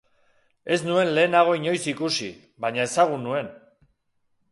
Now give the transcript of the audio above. Ez nuen lehenago inoiz ikusi, baina ezagun nuen.